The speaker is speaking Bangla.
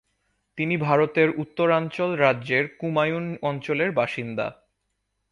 তিনি ভারতের উত্তরাঞ্চল রাজ্যের কুমায়ুন অঞ্চলের বাসিন্দা।